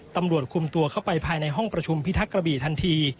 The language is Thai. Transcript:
ตำรวจคุมตัวเข้าไปภายในห้องประชุมพิทักษ์กระบี่ทันที